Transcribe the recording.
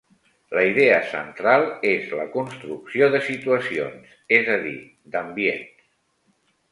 La idea central és la construcció de situacions, és a dir, d'ambients.